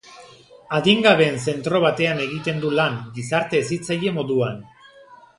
Adingabeen zentro batean egiten du lan, gizarte hezitzaile moduan.